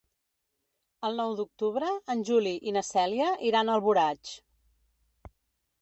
El nou d'octubre en Juli i na Cèlia iran a Alboraig.